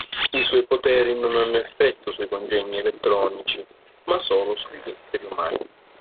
I suoi poteri non hanno effetto sui congegni elettronici, ma solo sugli esseri umani.